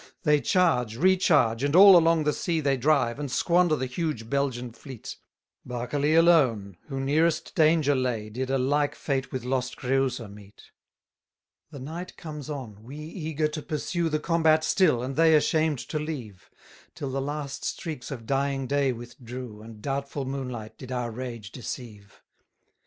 67 They charge, recharge, and all along the sea They drive, and squander the huge Belgian fleet; Berkeley alone, who nearest danger lay, Did a like fate with lost Creusa meet. 68 The night comes on, we eager to pursue The combat still, and they ashamed to leave: Till the last streaks of dying day withdrew, And doubtful moonlight did our rage deceive.